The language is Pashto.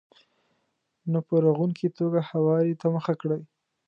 نو په رغونکې توګه هواري ته مخه کړئ.